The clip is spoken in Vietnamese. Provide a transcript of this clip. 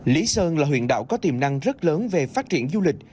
lý sơn là huyện đảo có tiềm năng rất lớn về phát triển du lịch